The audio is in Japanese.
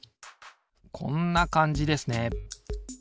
こんなかんじですね。